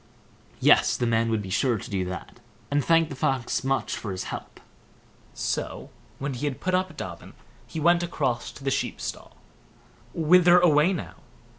Yes! the man would be sure to do that, and thanked the Fox much for his help. So when he had put up Dobbin, he went across to the sheep stall. "Whither away, now?"